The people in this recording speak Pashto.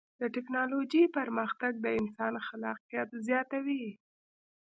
د ټکنالوجۍ پرمختګ د انسان خلاقیت زیاتوي.